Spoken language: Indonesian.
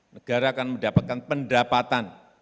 negara akan mendapatkan pendapatan